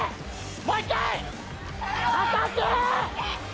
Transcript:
もう一回。